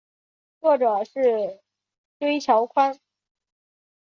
作者是椎桥宽。